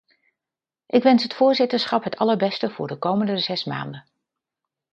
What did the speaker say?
Ik wens het voorzitterschap het allerbeste voor de komende zes maanden.